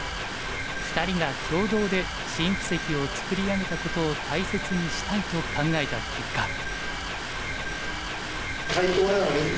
２人が共同で新布石を作り上げたことを大切にしたいと考えた結果。